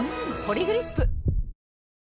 「ポリグリップ」